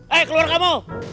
hei keluar kamu